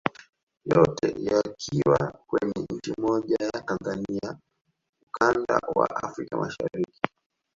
Yote yakiwa kwenye nchi moja ya Tanzania ukanda wa Afrika Mashariki